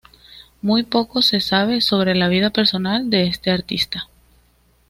Muy poco se sabe sobre la vida personal de este artista.